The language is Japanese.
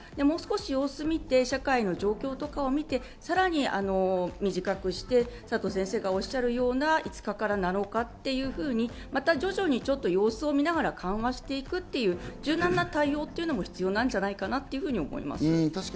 もう少し様子を見て、社会の状況とかを見て、さらに短くして佐藤先生がおっしゃるような５日から７日っていうふうに徐々に様子を見ながら緩和していくっていう柔軟な対応というのも必要なんじゃないかなと思います。